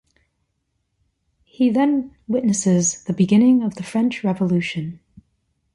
He then witnesses the beginning of the French Revolution.